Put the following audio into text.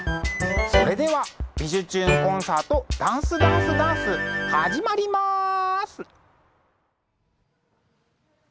それでは「びじゅチューン！コンサートダンスダンスダンス」始まります！